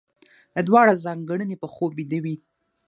دا دواړه ځانګړنې په خوب ويدې وي.